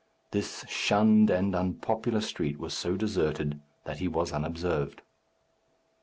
This shunned and unpopular street was so deserted that he was unobserved.